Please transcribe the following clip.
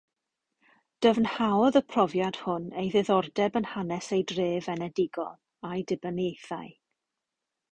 Dyfnhaodd y profiad hwn ei ddiddordeb yn hanes ei dref enedigol a'i dibyniaethau.